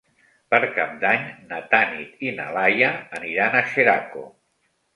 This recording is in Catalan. Per Cap d'Any na Tanit i na Laia aniran a Xeraco.